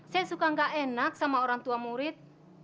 saya suka nggak enak sama orang tua murid